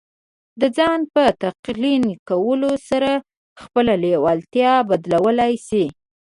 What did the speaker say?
د ځان په تلقين کولو سره خپله لېوالتیا بدلولای شئ.